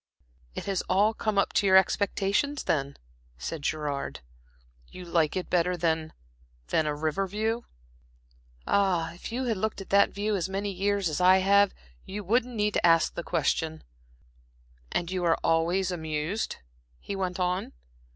"It has all come up to your expectations, then?" said Gerard. "You like it better than a the river view?" "Ah, if you had looked at that view as many years as I have, you wouldn't need to ask the question." "And you are always amused?" he went on.